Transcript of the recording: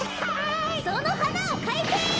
そのはなをかえせ！